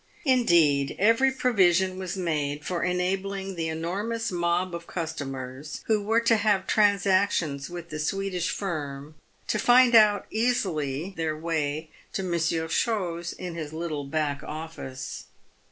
Indeed, every provision was made for enabling the enormous mob of cus tomers who were to have transactions with the Swedish firm to find out easily their way to Monsieur Chose in his little back office.